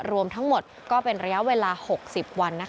รวมทั้งหมดก็เป็นระยะเวลา๖๐วัน